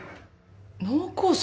脳梗塞？